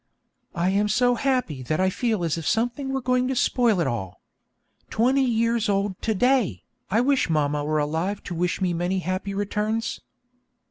I am so happy that I feel as if something were going to spoil it all. Twenty years old to day! I wish mamma were alive to wish me many happy returns.